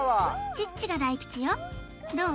チッチが大吉よどう？